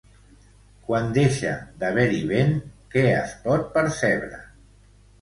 Quan deixa d'haver-hi vent, què es pot percebre?